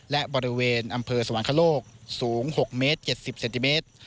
และบริเวณอำเภอสวรรคโลกสูง๖เมตร๗๐เซนติเมตร